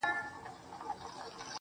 اصلي تاوان یې روحانينحوست دی